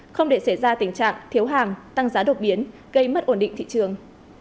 không để xảy ra tình trạng thiếu hàng tăng giá đột biến gây mất ổn định thị trường